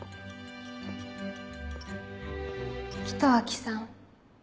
北脇さん。